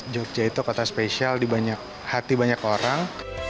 jogja itu kota spesial di hati banyak orang